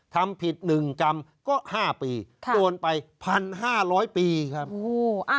ทำผิดหนึ่งกรรมก็ห้าปีค่ะโดนไปพันห้าร้อยปีครับโอ้อ่า